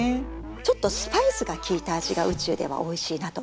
ちょっとスパイスが効いた味が宇宙ではおいしいなと思いました。